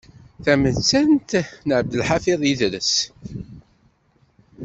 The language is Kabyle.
Tamettant n Ɛebdelḥafiḍ Idres.